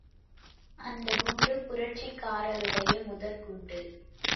அந்தக் குண்டு புரட்சிக்காரருடைய முதற் குண்டு.